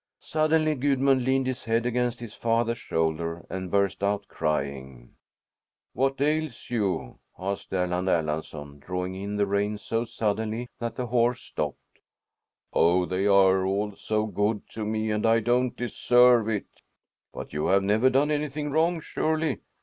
Suddenly Gudmund leaned his head against his father's shoulder and burst out crying. "What ails you?" asked Erland Erlandsson, drawing in the reins so suddenly that the horse stopped. "Oh, they are all so good to me and I don't deserve it." "But you have never done anything wrong, surely?"